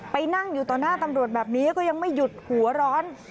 ไปนั่งอยู่ต่อหน้าตำรวจแบบนี้ก็ยังไม่หยุดหัวร้อน